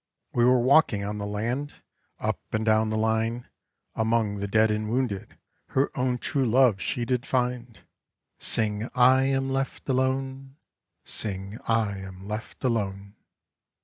We were walking on the land, Up and down the line, Among the dead and wounded Her own true love she did find. Sing I am left alone, Sing I am left alone.